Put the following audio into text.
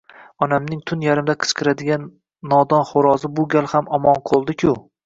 onamning tun yarmida qichqiradigan nodon xo’rozi bu gal ham omon qoldi-ku.